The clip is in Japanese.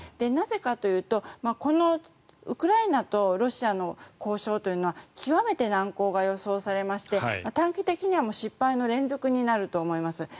なぜかというとこのウクライナとロシアの交渉は極めて難航が予想されまして短期的には失敗の連続になると思います。